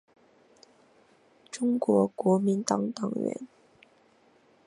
中国国民党党员。